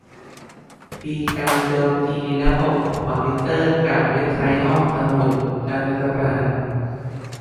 มีการโจมตีระบบคอมพิวเตอร์กับเว็บไซต์ห้องสมุดรัฐสภา